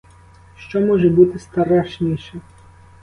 Що може бути страшніше?